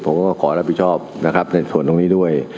ผมก็ขอรับผิดชอบนะครับในส่วนตรงนี้ด้วย